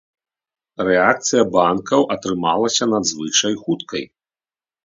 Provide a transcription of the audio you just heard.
Рэакцыя банкаў атрымалася надзвычай хуткай.